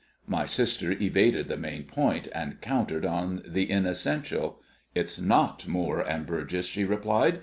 My sister evaded the main point, and countered on the inessential. "It's not Moore and Burgess," she replied.